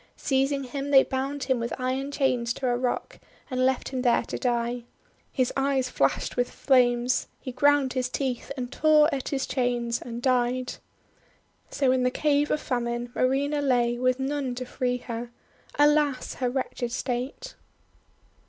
Seizing him, they bound him with iron chains to a rock, and left him there to die. His eyes flashed with flames; he ground his teeth and tore at his chains, and died. So in the Cave of Famine Marina lay with none to free her. Alas! her wretched state!